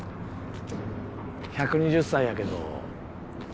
１２０歳やけどいい？